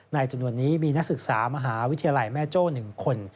จำนวนนี้มีนักศึกษามหาวิทยาลัยแม่โจ้๑คน